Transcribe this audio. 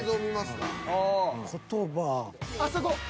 あっそこ。